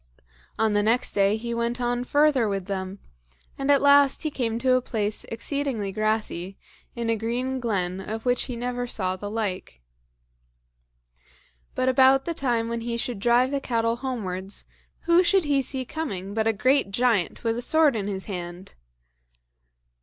On the next day he went on further with them; and at last he came to a place exceedingly grassy, in a green glen, of which he never saw the like. But about the time when he should drive the cattle homewards, who should he see coming but a great giant with a sword in his hand?